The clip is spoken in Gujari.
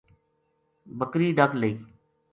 بکری ڈک لئی۔